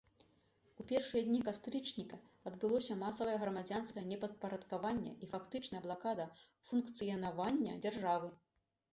У першыя дні кастрычніка адбылося масавае грамадзянскае непадпарадкаванне і фактычная блакада функцыянавання дзяржавы.